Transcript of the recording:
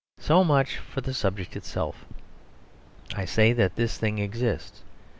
So much for the subject itself. I say that this thing exists.